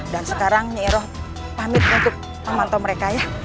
dan sekarang nyiiroh pamit untuk memantau mereka ya